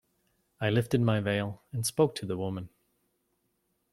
I lifted my veil and spoke to the woman.